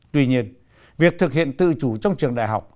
tuy nhiên việc thực hiện tự chủ trong trường đại học